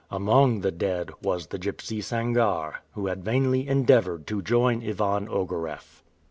Among the dead was the gypsy Sangarre, who had vainly endeavored to join Ivan Ogareff.